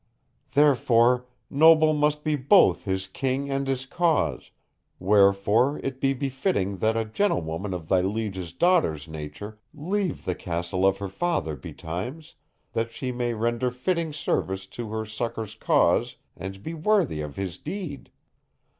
Therefore, noble must be both his king and his cause, wherefore it be befitting that a gentlewoman of thy liege's daughter's nature leave the castle of her father betimes that she may render fitting service to her succor's cause and be worthy of his deed.